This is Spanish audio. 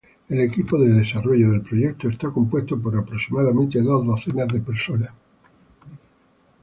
El equipo de desarrollo del proyecto estaba compuesto por aproximadamente dos docenas de personas.